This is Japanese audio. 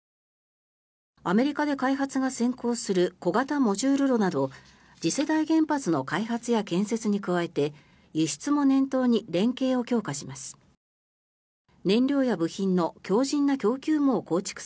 アメリカで開発が先行する小型モジュール炉など次世代原発の開発や建設に加えて輸出も念頭に連携を強化します。